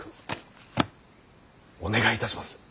お願いいたします。